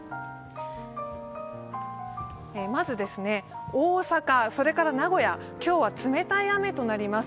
まず、大阪、名古屋、今日は冷たい雨となります。